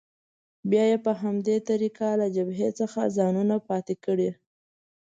بیا یې په همدې طریقه له جبهې څخه ځانونه پاتې کړي.